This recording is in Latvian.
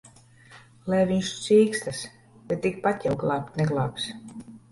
Lai viņš cīkstas! Bet tikpat jau glābt neglābs.